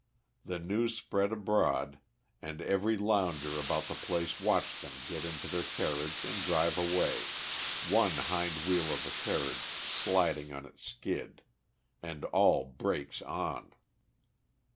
The news spread abroad, and every lounger about the place watched them get into their carriage and drive away, one hind wheel of the carriage sliding on its skid, and all breaks on.